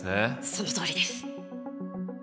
そのとおりです。